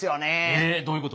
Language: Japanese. えどういうこと？